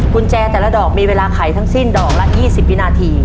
กุญแจแต่ละดอกมีเวลาไขทั้งสิ้นดอกละ๒๐วินาที